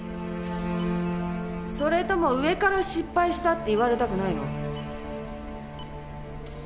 それとも上から失敗したって言われたくないの？